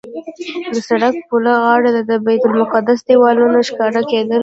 د سړک پورې غاړې د بیت المقدس دیوالونه ښکاره کېدل.